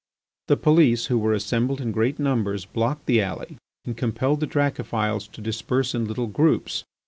The police, who were assembled in great numbers, blocked the alley and compelled the Dracophils to disperse in little groups.